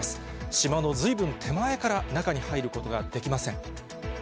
島のずいぶん手前から中に入ることができません。